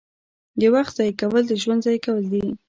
• د وخت ضایع کول ژوند ضایع کول دي.